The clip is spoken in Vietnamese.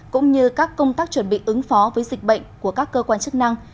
cũng như các công tác chuẩn bị ứng phó với dịch bệnh của các cơ quan chức năng